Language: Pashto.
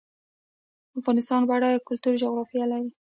افغانستان بډایه کلتوري جغرافیه لري